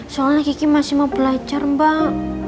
soalnya kiki masih mau belajar mbak